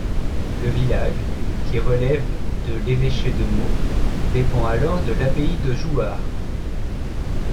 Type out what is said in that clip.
Le village, qui relève de l'évêché de Meaux, dépend alors de l'abbaye de Jouarre.